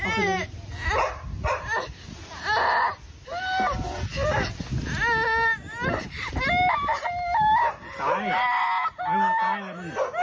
เจ็บมันหรอ